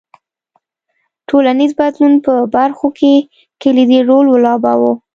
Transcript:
ټولنیز بدلون په برخو کې کلیدي رول ولوباوه.